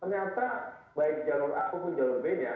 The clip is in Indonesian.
ternyata baik jalur a ataupun jalur b nya